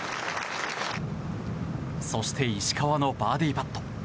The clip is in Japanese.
そして石川のバーディーパット。